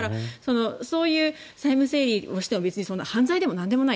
そういう債務整理みたいな人も別に犯罪でもないでもない。